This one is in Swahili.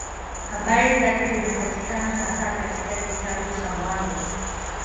Habari zake zinapatikana hasa katika kitabu cha Mwanzo.